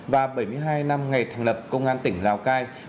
và bảy mươi hai năm ngày thành lập công an tỉnh lào cai